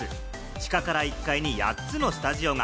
地下から１階に８つのスタジオが。